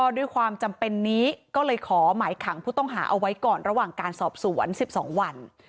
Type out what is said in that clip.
ด้วยความจำเป็นนี้ก็เลยขอหมายขังผู้ต้องหาเอาไว้ก่อนระหว่างการสอบสวน๑๒วัน